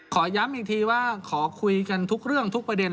ขอย้ำอีกทีว่าขอคุยกันทุกเรื่องทุกประเด็น